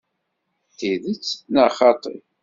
D tidet neɣ xaṭi?